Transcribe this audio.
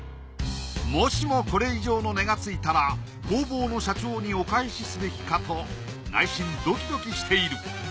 もしもこれ以上の値がついたら工房の社長にお返しすべきかと内心ドキドキしている。